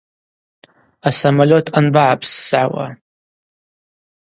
Асамолет анбапссгӏауа?